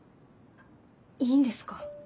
いいんですか？